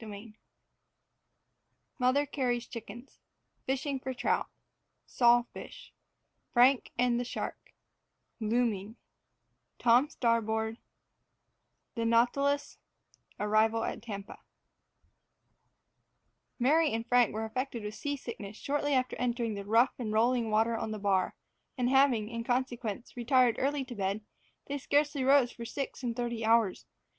CHAPTER II MOTHER CARY'S CHICKENS FISHING FOR TROUT SAW FISH FRANK AND THE SHARK LOOMING TOM STARBOARD THE NAUTILUS ARRIVAL AT TAMPA Mary and Frank were affected with sea sickness shortly after entering the rough and rolling water on the bar, and having, in consequence, retired early to bed, they scarcely rose for six and thirty hours.